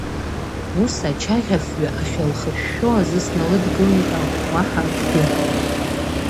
Ус ачаӷьафҩы ахьылхышәшәо азы сналыдгылеит ауп, уаҳа акгьы.